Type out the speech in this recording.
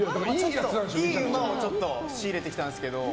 いいうまを仕入れてきたんですけど。